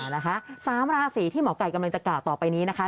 นะคะสามราศีที่หมอกัยกำลังจะกะต่อไปนี้นะคะ